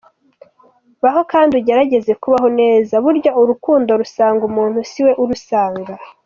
Baho kandi ugerageze kubaho neza, burya urukundo rusanga umuntu siwe urusanga.